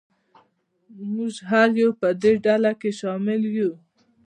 موږ هر یو په دې ډله کې شامل یو.